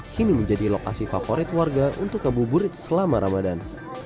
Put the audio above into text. kini menjadi lokasi favorit warga untuk kebuburit selama ramadan